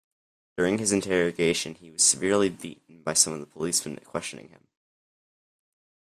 During his interrogation he was severely beaten by some of the policemen questioning him.